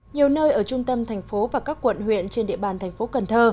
nhiều nơi ở trung tâm thành phố và các quận huyện trên địa bàn thành phố cần thơ